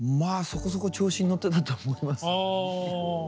そこそこ調子に乗ってたと思います。